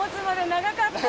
長かった。